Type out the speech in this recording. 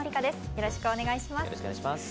よろしくお願いします。